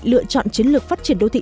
lựa chọn chiến lược phát triển đô thị